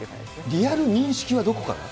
リアル認識はどこから？